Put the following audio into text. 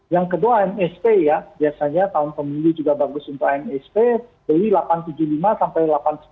yang kedua amhp ya biasanya tahun pemilih juga bagus untuk amhp beli delapan ratus tujuh puluh lima sampai delapan ratus sembilan puluh